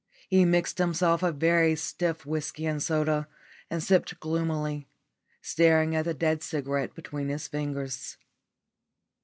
He mixed himself a very stiff whisky and soda, and sipped gloomily, staring at the dead cigarette between his fingers.